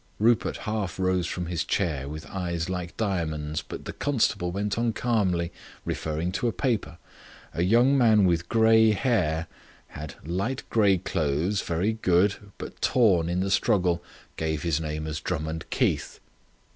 Rupert half rose from his chair, with eyes like diamonds, but the constable went on calmly, referring to a paper. "A young man with grey hair. Had light grey clothes, very good, but torn in the struggle. Gave his name as Drummond Keith."